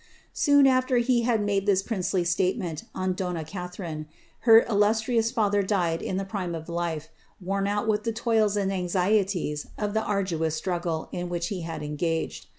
Soon aAer he had made Uiis princely settlement on donna Catharine, her illustrious father died in the prime of life, worn out with the toils and anxieties of the arduous struggle in which he had engaged.